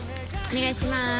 お願いします。